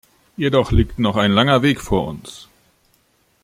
Jedoch liegt noch ein langer Weg vor uns.